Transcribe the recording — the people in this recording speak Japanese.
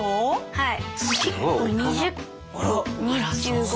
はい。